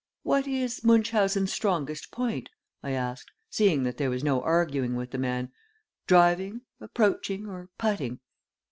"What is Munchausen's strongest point?" I asked, seeing that there was no arguing with the man "driving, approaching, or putting?"